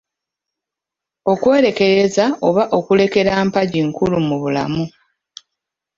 Okwerekereza oba okulekera mpagi nkulu mu bulamu.